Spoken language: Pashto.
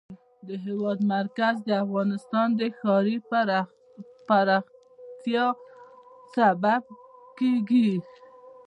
د هېواد مرکز د افغانستان د ښاري پراختیا سبب کېږي.